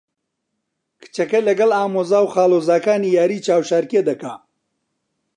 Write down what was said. کچەکە لەگەڵ ئامۆزا و خاڵۆزاکانی یاریی چاوشارکێ دەکا.